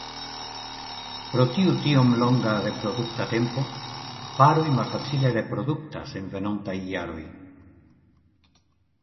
Pro tiu tiom longa reprodukta tempo, paroj malfacile reproduktas en venontaj jaroj.